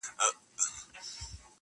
وئېل ئې دغه ټول علامتونه د باران دي -